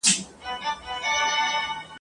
که دا وطن وای د مېړنیو ..